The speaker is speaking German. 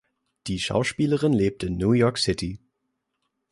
Die Schauspielerin lebt in New York City.